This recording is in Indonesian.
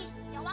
kak kak kak kak